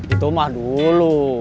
itu mah dulu